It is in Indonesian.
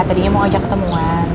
tadinya mau ajak ketemuan